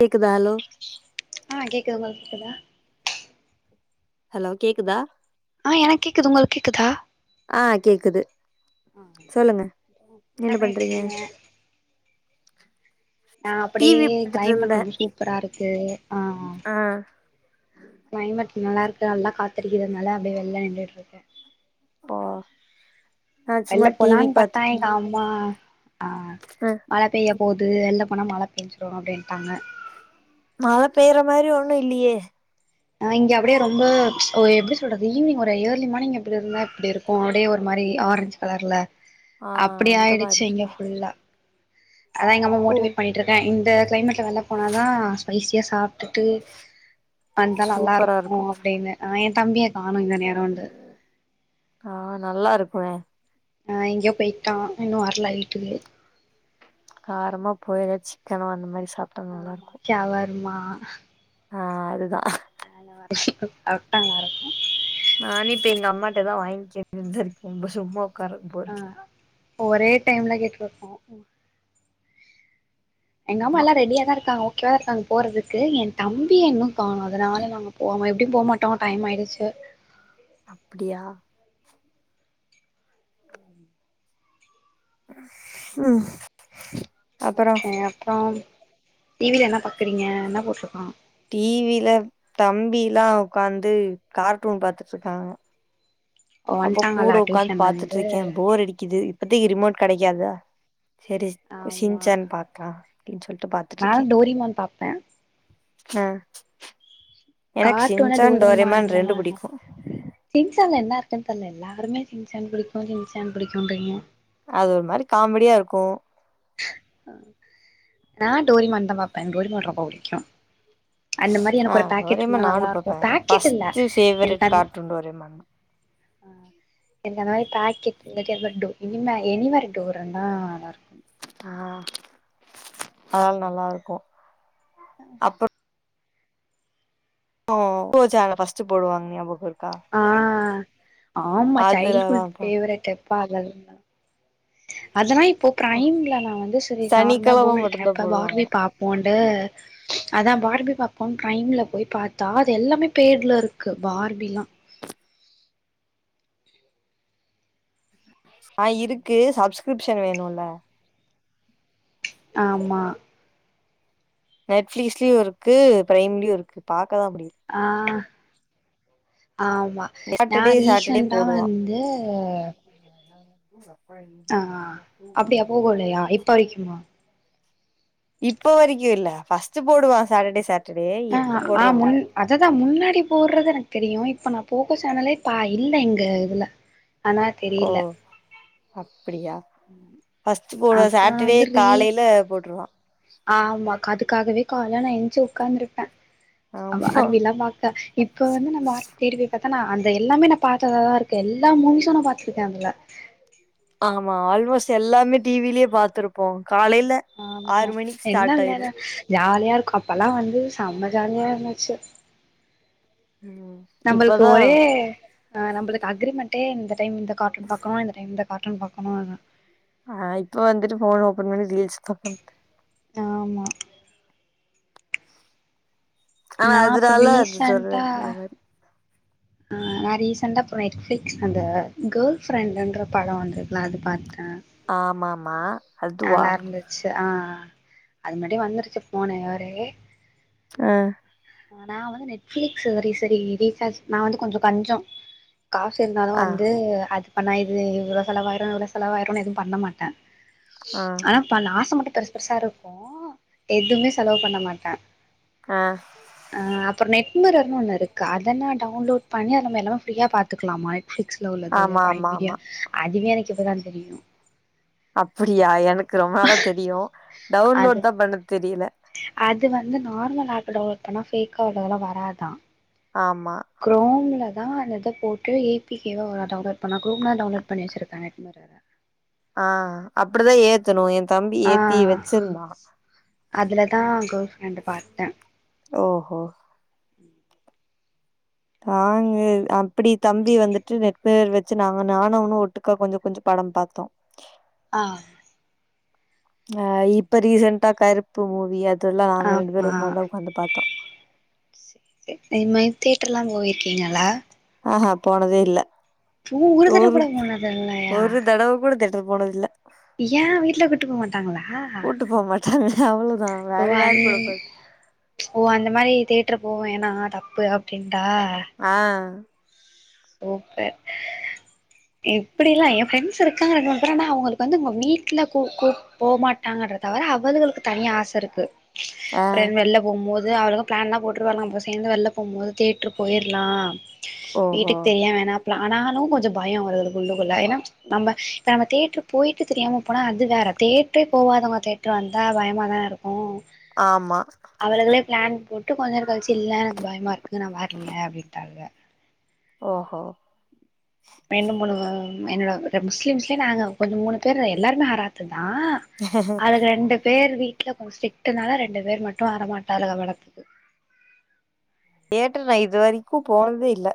கேக்குதா ஹலோ ஆ கேக்குது உங்களுக் க்குதா ஹலோ கேக்குதா ஆ எனக்கு கேக்குது உங்களு கேக்குதா ஆ கேக்குது சொல்லுங்க என்ன பண்ணிட்றீங்க நா அப்பிடியே டிவி பாத்துட்டு இருந்தே கிளைமேட் ரொம்ப சூப்பரா இருக்கு ஆ ஆ கிளைமட் நல்லா இருக்கு நல்லா காத்தடிக்கிறதுனால அப்பிடியே வெளில நின்னுட்டுருக்கே ஓ நா சும்மா எல்ல டிவி போலான்னு பாத்துட்டு இருந்தே பத்தாயங்கா ஆம்மா ஆ ஆ மழ பெய்யப் போது வெள்ள போனா மழ பேஞ்சிரு அப்பிடின்ட்டாங்க மழ பெய்யற மாரி ஒண்ணு இல்லயே ஆ இங்க அப்பிடியே ரொம்ப ஒ எப்பிடி சொல்றது ஈவி்னிங் ஒரு ஏர்லி மார்னிங் எப்பிடி இருந்தா இப்பிடி இருக்கு அப்பிடியே ஒரு மாரி ஆரஞ்ச் கலர்ல ஆ அப்டி அந்த மாரி ஆயிடுச்சு இங்க இருக்கா ஃபுல்லா அதாயெங்கம்மா ஓ மோட்டிவேட் பண்ணிட்ருக்கே ங் இந்த கிளைமேட்ல வெள்ல போனாதா ஸ்பைசியா சாப்ட்டுட்டு வந்தா நல்லா இருக்கு அப்டின்னு ஆ எ தம்பியாக்கா ஆ நல்லா இருக்குமே ஆ எங்கயோ போயிட்டான் இன்னு வரல வீட்டுக்கு காரமா போயாச்சு சிக்கனு அந்த மாரி சாப்ட்டா நல்லா ஆமா இருக்கு கியவருமா ஆ ஆ அதுதா ஆ வரிஷிக்கு ஆவட் நல்லாருக்கு நானே இப்ப எங்க அம்மாட்ட தா வாங்கிக்கே இருக்கே சும்மா உக்கார போர் ஆ இப்ப ஒரே டைம்ல கேட்டு வப்போ எங்கம்மா அம்மா எல்லா ரெடியா தா இருக்காங்க ஓ கேர்லாங்க போறதுக்கு எ தம்பியன்னு காணு அதனால நாங்க போகாமே டி போமாட்டோ டைம் ஆயிடுச்சு அப்டியா உ ஓகே அப்றோ டிவில என்ன பாக்குறீங்க என்ன போட்ருக்கா டி வில தம்பிலா உக்காந்து கார்ட்டூன் பாத்துட்ருக்காங்க அப்ப கூட வன்ட்டாங்களா உக்காந் டியூஷன்ல இருந்து பாத்துட்ருக்கே போர் அடிக்குது த்திக்கு ரிமோட் கடைக்காதா செரி சின்சேன் பாக்கலா நானோ டோரிமான் பாப்பே ஆ எனக்கு கார்ட்டூனா ஷின்சான் டோரிமான் தா ரெண்டு பிடிக்கோ கின் தெர்ல எல்லாருமே சிச்சான் புடிக்கோ சிச்சான் புடிக்கோன்றீங்க அது ஒரு மாரி காமெடியா இருக்கோ நா டோரிமான்ந்தாபா என்க்கு டோரிமான் ரொம்ப புடிக்கு அந்த மாரி ஆ எனக்கொரு பேக்கெட் டோரேமான் இருந்தா நானு நல்லா இருக்கோ பாப்பே பேக்கெட் இல்ல ஃபஸ்ட்டு ஃபேவரட் எனக்கு அந் கார்ட்டூன் டோரேமான் எந்த மாரி பேக்கெட்ல [unintelligible] இனிமே எனிமேர் டூரந்தா நல்லாருக்கு ஆ அத்ல நல்லா இருக்கொ உஹ் ஓ லோக்கல் சேனல்ல ஃபஸ்டு போடுவாங்க ஞாபகருக் ஆ ஆமா அதுலதா சைல்டு்ஹுட் ஃபேவரட்டு பாத [unintelligible] அதெல்லா இப்போ பாப் ப்ரைம்ல நா வந்து சேரி நார்மலா சனிக்கெழம மட்டுந்தா [unintelligible] போடுவாங்க பார்லி பாப்போ ட அதா பார்பி பாப்போ ப்ரைம்ல போய் பாத்தா அதெல்லாமே பேர்ல இருக்கு பார்பிலா ஆ இருக்கு சப்ஸ்கிரிப்ஷன் வேணுண்ல ஆமா நெட் ஃப்லீஸ்லியோ இருக் இருக்கு பிரைம்லயோ இருக்கு பாக்கதா முடியோ ஆ ஆமா நா சாட்டர்டே சாட்டர்டே ரீஷண்டா போடுவா வந்து [unintelligible] ஆ அப்டியா போட்லையா இப்ப வரைக்குமா இப்ப வரைக்கோ இல்ல ஃபஸ்டு போடுவா சாட்டர்டே ச ஆ ஆ முன் அதுதா முன்னாடி போட்றது எனக்கு தெரியு இப் ப்ப நா போகோ சேனலே பா இல்ல இங்க இதுல ஆனா ஓ தெரில அப்டியா ஃபஸ்ட் போடுவ அப்றோ சாட்டர்டே காலையில போட்ருவா ஆ ஆமா அதுக்காகவே கால்ல நா எஞ்சு உக்காந்துருப்பே அவ ஆமா அருவிலா பாக்க இப்ப வந்து நம்ம ஆ தேடி போய் ஆனா அந்த எல்லாமே நா பாத்ததாதா இருக்கு எல்லா மூவீஷு நா பாத்திருக்கே அதுல ஆமா ஆல்மோஸ்ட் எல்லாமே டிவிலயே பாத்துருப்போ காலையில ஆறு ஆமா மணிக்கு ஸ்டார்ட் என்னவேல ஆயிரு ஜா ஜாலியா இருக்கு அப்பல்லா வந்து செம்ம ஜாலியா இருந்துச்சு ம் நம்ளுக்கு இப்பதா ஒரே ஆ நம்மளுக்கு அக்ரிமெண்டே இந்த டைம் இந்த கார்ட்டூன் பாக்கலா இந்த டைம் இந்த கார்ட்டூன் பாக்கணு [unintelligible] ஆ இப்ப வந்துட்டு ஃபோன் ஓப்பன் பண்ணி ரீல்ஸ் பாக்க தஆமா ஆனா நா இப்ப அதுனல்லாருக்கு ரீசன்டா சொல்ரக்கு ஒரு மாதிரி ஆ நா ரீசண்டா நெட்ஃப்ளிக்ஸ் அந்த கேர்ள் ஃப்ரெண்டுன்ற படோ வந்துருக்கலா அது பாத்த ஆமமா அதுவா அ அது மட்டும் வந்துருச்சு போனே இயரே ஆ நா வந்து நெட்ஃபிலிக்ஸ் சரி சரி ரீசார்ஜ் நா வந்து கொஞ்சோ கஞ்சோ காசு இருந்தாலு ஆ வந்து அது ப்ப நா இது இவ்ள செலவாயிரு இவ்வள செலவாயிரு எதுவு பண்ண மாட்டே ஆ ஆனா பா ஆச மட் பெருச்பெருசா இருக்கு எதுமே செலவு பண்ண மாட்டே ஆ அ அப்றோ நெட் மிரர்னு ஒண்ணு இருக்கு அதனா டவுன்லோட் பண்ணி அதுலநம்ம எல்லாமே ஃப்ரியா பாத்துக்கலாமா ஸ்ல உள்ளது ஆமா ப்ரைம் ஆமா மிடியா ஆமா அதுவே எனக் இவதாதெரியு அப்டியா எனக்கு ரொம்ப நாளா தெரியு அது டவுன்லோட் தா பண்ண தெரியல அது வந்து நார்மலா ஆப்ப டவுன்லோட் பண்ண ஃபேக்கா உள்ளதெல்லா வராதா ஆமா கிரோம்ல தா ந அத போட்டு ஏ பிகெ வ ஒரு டவுன்லோட் பண்ணா க்ரோம்ல டவுன்லோட் பண்ண வச்சிருக்கே நெட் மெரர ஆ அப்படிதா ஏத்தணு ஏத் தம்பி ஆ ஏத்தி வச்சிருந்தா அதுல தா கேர்ள் ஃப்ரெண்ட் பாத்தே ஓஹோ தாங்கு அப்படி தம்பி வந்துட்டு ரெக்கோயர் வச்சு நாங்க நானு அவனு ஒட்டுக்கா கொஞ்ச கொஞ்சொ படோ பாத்தோ ஆ ஆ இப்ப ரீசென் டா கருப்பு மூவி அத் இதெல்லா நாங்க ரெண்டு பேரு ஆமா ஒன்னாதா உக்காந்து பாத்தோ செங்கலா ஆ ஹா போனதே இல்ல ஓ ஒரு தடவ கூட போனது இல்லயா போனதுல்ல யா வீட்ல கூட்டு போக மாட்டாங்களா கூட்டு போ மாட்டாங்க அவ்ளோதா வேற யாரு வந் கூட போறது ஓ அந்த மாரி தேட் தியேட்டர் போவேனா தப்பு அப்டின் ஆ சூப்பர் இப்புடில்லா ஏ ப்ரெண்ட்ஸ் இருக்காங்க ரெண்டு மூணு பேர் ஆன அவங்களுக்கு வந்து அவுங்க வீட்டுல கூப் கூ போமாட்டாங்க தவர அவளுகளுக்கு தனியா ஆசை இருக்கு ஆ பிற என் வெளில போம்போது அவளுக பிளான்லா போட்டுருவாலுக நம்ப சேந்து வெளில போம்போது தியேட்ரு போயிருலாம் ஓஹோ வீட்டுக்கு தெரிய வேணா ஆனாலு கொஞ்ச பயம் வருது உள்ளுக்குள்ள ஏனா நம்ம இப்ப நம்ம தேட்ருக்கு போயிட்டு தெரியாம போனா அது வேற தேட்ரே போவாதங்க தேட்ரு வந்தா பயமா தா இருக் ம் ஆமா அவளுகளே பிளான் போட் டு கொஞ்ச நேர கழிச்சு இல்ல எனக்கு பயமா இருக்கு நா வர்ல அப்டின்டாலுக ஓஹோ ரெண்டு மூணு மெனு முஸ்லிம்ஸ்ல நாங்க கொஞ்ச மூணு பேரு எல்லாருமே ஆராத்துங்க தா அது ரெண்டு பேரு வீட்ல கொஞ்ச ஸ்டிரிக்ட்னுல ரெண்டு பேர் மட்டும் வரமாட்டாலுக போலருக்கு தியேட்டர் நா இது வரைக்கும் போனதே இல்ல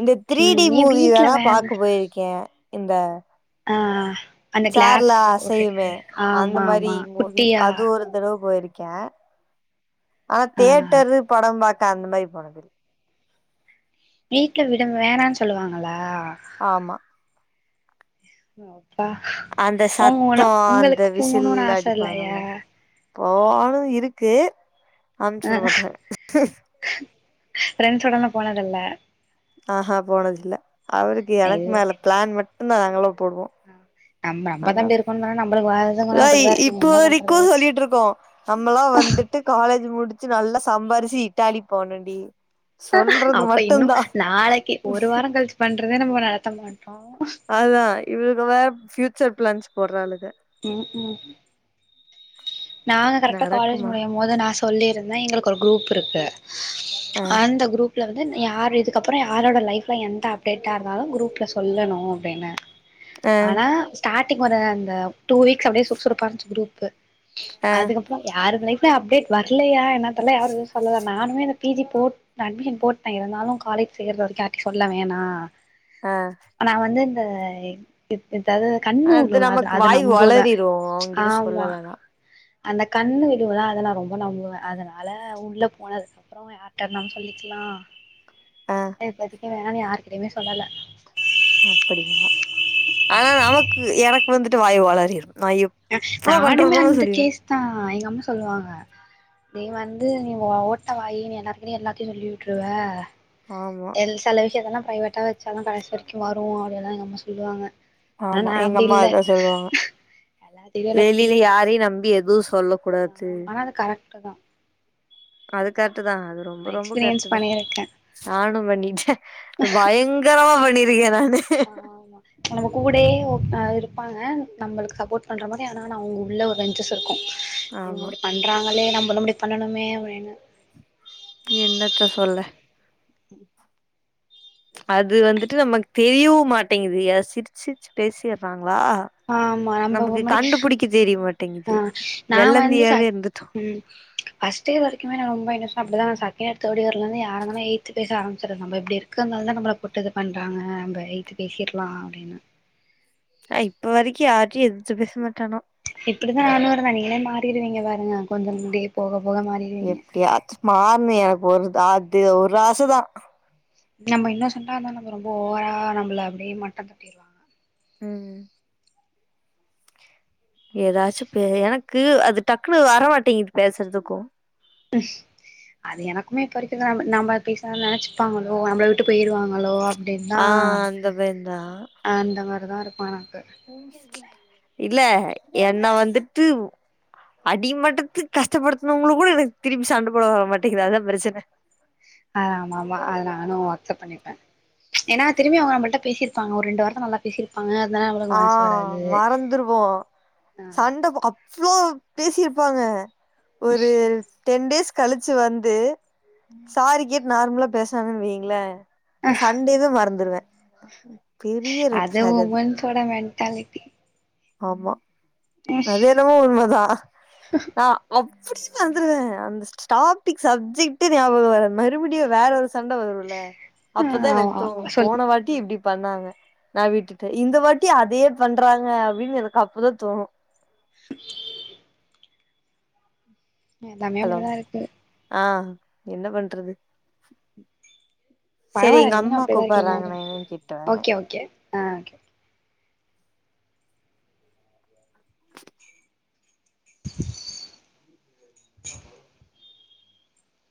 இந்த திரீடி ம் ஏ மூவி வீட்ல வேணா பாக்க போயிருக்கேன் இந்த ஆ அந்த கிளாஸ் சார்லா போட்டுட்டு அசையுமே அந்த ஆமா மாரி ஆமா மூவி குட்டியா அது ஒரு தடவ போயிருக் கே ஆனா ஆ தேட்டரு படம் பாத் அந்த மாரி போனதுனல வீட்ல விட வேணான் சொல்லுவாங்ளா ஆமா ஓ அப்பா அந்த உங்க சத்தோ உன அந்த உங்களுக்கு போகணுன் ஆச இல்லயா போவோணு இருக்கு அம்சுடமாட்றாங்க ஃபிரண்ஸ்ஸோடல்லா போனதில்ல ஆ ஆ போனதில்ல அவருக்கு எனக்கு இது மேல பிளான் மட் நாங்களு போவோ நம்ம நம்ம தா இப்டி இருக்கோன்னு சொன்னா நம்மளுக்கு வரதுங்கல்லா ஆனாதா இ அப்டிதா இருக்குங்க இப்போ என்ன வரைக்கு பண்றது சொல்லிட்டுருக்கோ நம்மல்லா வந்துட்டு காலேஜ் முடிச் ச்சி நல்லா சம்பாரிச்சி இட்டாலி போணுண்டி அப்ப இன்னு நாளைக்கு ஒரு வாரோ கழிச்சி பண் ட்ரதே நம்ம நடத்த மாட் அதா இது இவல வேற ஃபியூச்சர் பிளான்ஸ் போறாலே ம் ம் நாங்க கரெக்ட்டா காலேஜ் நடக்குமா முடியு போது நா சொல்லிருந் தே எங்களுக்கு ஒரு குரூப் இருக்கு ஆ அந்த குரூப் இதுல வந்து யார் இதுக்கப்புறோ யாரோட லைஃப்ல எந்த அப்டேட்டா இருந்தாலு குரூப்ல சொல்லணு அப்பிடின்ன ஆ ஆனா ஸ்டாரட் டிக் வர அந்த டூ வீக்ஸ் அப்பிடியே சுறுசுறுப்பா இருன்ச்சி குரூப் ச ஆ [inaudible] அதுகப்புறோ யாருக்னே ப்பல அப்டேட் வரலையா என்ன ட்டல்லா யாரு எது சொல்லல நானுமே இந்த பிஜி போட் அட்மின் போட்டே இருந்தாலு காலேஜ் சேற வரைக்கு யார்ட்டையு சொல்ல வேணா ஆ நா வந்து அ [unintelligible] அதாது கண்ணுவுழு அத அத நம் ஒளறிறுவோ ஓங்கிட்ட சொல்லலனா அந்த கண்ணு விழுவுதா அதெல்லா ரொம்ப நம்புவே அதனால உள்ள போனதுக்கப்புறோ யார்ட்டனா சொல்லிக்கலா ஆ ஏ பதி வேணனு யாருக்கிட்டையுமே சொல்லல அப்படியா ஆ நமக்கு எனக்கு வந்துட்டு வாயு வொளரிரும் அ நானுமே அந்த கேஸ் தா எங்க அம்மா சொல்லுவாங்க நீ வந்து நீ ஓட்ட வாயி நீ எல்லாருக்கு எல்லாத்தையு சொல்லி விட்டுருவே ஆமா எல் செல விஷயத்தலா ப்ரைவேட்டா வச்சாலு கடைசி வரைக்கு மாறு அப்பிடிலா எங்கம்மா சொல்லுவாங்க ஆனா ஆமா நா எங்க அப்டி அம்மா இல்ல அதா சொல்லுவாங்க எல்லாத்திட்டயு எல்லாத்தையு வெளியில சொல்லிக்குவே யாரையு நம்பி எதுவு சொல்ல கூடாது ஆமா ஆனா அது கரெக்ட் தா அது கரெட்டு தா அது ரொம்ப நா ரொம்ப கர்ட்டு எக்ஸ்பீரியன்ஸ் தா பண்ணிருக்கே ஆனும் பண்ணிச்ச பயங்கரமா பண்ணிருக்கே நானு ஆமா நம்ம கூடயே வொக்காந்துருப்பாங்க நம்மளுக்கு சப்போர்ட் பண்ணுற மாரி ஆனா ந அவுங்க உள்ள ஒரு பெஞ்சஸ் இருக்கு ஆமா வெலே நம்மளு இப்டி பண்ணணுமே அப்டின்னு என்னத்த சொல்ல ம் அது வந்துட்டு நமக்கு தெரியவு மாட்டேங்குது ய சிரிச்சிரிச்சு பேசியறா ஆ ஆமா நம்ம முடி கண்டுபிடிக்க தெரிய ஆ மாட்டேங்குது நா வந்து ச வெள்ளந்தியாவே இருந்துட்டோ உம் பஸ்டே வரைக்குமே நா ரொம்ப இர அப்டிதா நா செகண்ட் இயர் தேடி வர்லந்துயாருந்தே எயி்த்து பேச ஆரம்பச்சறது நம்ப இப்பிடி இருக்கந்தால தா நம்மள போட்டு இது பண்றாங்க நம்ம எயி்தது பேசிடலா அப்பிடின்னு அ இப்ப வரைக்கு யாருட்டி எதிச்சு பேச மாட்டானோ இப்டிதா நானு இருந்தே நீங்களே மாறிருவீங்க பாருங்க கொஞ்ச முடிய போக போக மாறிடுவீங்க எப்பிடியாச்சு மாறணு எனக்கு ஒரு தாத்து ஒரு ஆசுதா நம்ம இன்னு சொன்னாந்தா நம்ம ரொம்ப ஓவரா நம்பள அப்பிடியே மட்ட தட்டிருவாங்க ம் ஏதாச்சு பே எனக் க்கு அது டக்குனு வர மாட்டேங்குது பேசுறதுக்கு அது எனக்குமே இப்ப இருக்குறது நம்ம நம்ம பேசாத நெனைச்சுப்பாங்களோ நம்பள விட்டு போயிருவாங்களோ அப்டின்தா ஆ அந்த பய தா அங்கதா இருப்பானா உங்க [unintelligible] இல்ல என்ன வந்துட்டு அடி மட்டத்துக் கஷ்டப்படுத்தனவங்களு கூட எனக்கு திரும்பி சண்ட போட வர மாட்டேங்குது அ அதா பிரச்சன அத ஆமா அதா நானு அக்சப்ட பண்ணகப்பே ஏன்னா திரும்பி அவுங்க நம்மளிட்ட பேசியிருப்பாங்க ஒரு ரெண்டு வார்த்த நல்லா பேசியிருப்பாங்க ஆ மறந்துருவோ சண்ட போ அ ஸ்லோ பேசி இருப்பாங்க ஒரு டென் டேஸ் கழிச்சு வந்து சாரி கேட் நார்மலா பேசனான்னு வைங்களே நா சண்டேவே மறந்துருவே பெரிய ரெட் அது ஃபிளாக் உமன்சோட மண்ட் டாலிட்டி ஆமா அது எதுவோ உண்மதா நா அப்டி மறந்துருவே அந்த ச்டாபிக் சப்ஜெக்டெ ஞாபக வராது மறுபடியு வேற ஒ சண்ட வருலே அப்பதா எனக்கு ஆமா தோனு சொல்லு போன வாட்டி இப்டி பண்ணாங்க நா விட்டுட்டே இந்த வாட்டி அதே பண்றாங்க வீட்ல எனக்கு அப்பதா தோணு எல்லாமே ஹலோ அப்டிதா இருக்கு ஆ என்ன பண்றது சரி பரவால்ல எங்க நீங்களு அம்மா அப்டிதா கூப்புறாங்க இருக்கீங்க நா என்னன் கேட்டு வரே ஓகே ஓகே ஆ